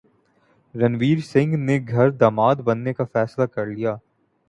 رنویر سنگھ نے گھر داماد بننے کا فیصلہ کر لیا